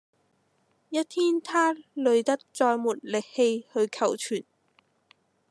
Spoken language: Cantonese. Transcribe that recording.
一天他累得再沒力氣去求存